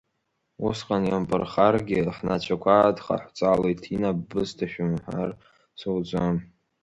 Усҟан иампырхаргьы, ҳнацәақәа адхаҳҵәалоит Ҭина ббысҭа, шәымҳәар суӡом!